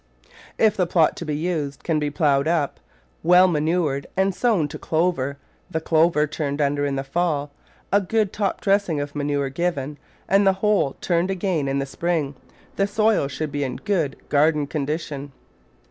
If the plot to be used can be ploughed up, well manured, and sown to clover, the clover turned under in the fall, a good top dressing of manure given, and the whole turned again in the spring, the soil should be in good garden condition.